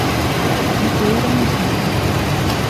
Ribeirãozinho